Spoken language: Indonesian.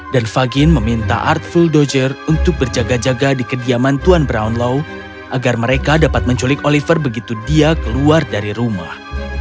dan fagin meminta artful dozier untuk berjaga jaga di kediaman tuan brownlow agar mereka dapat menculik oliver begitu dia keluar dari rumah